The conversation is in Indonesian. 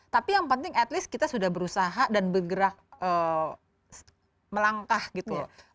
tapi yang penting at least kita sudah berusaha dan bergerak melangkah gitu loh